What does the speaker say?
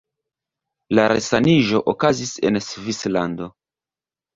La resaniĝo okazis en Svislando.